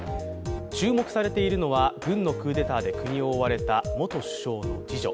注目されているのは軍のクーデターで国を追われた元首相の次女。